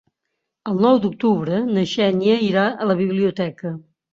El nou d'octubre na Xènia irà a la biblioteca.